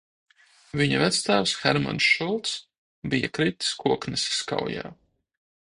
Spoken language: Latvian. Viņa vectēvs Hermanis Šulcs bija kritis Kokneses kaujā.